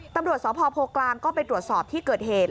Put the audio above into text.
ตำรวจสพโพกลางก็ไปตรวจสอบที่เกิดเหตุ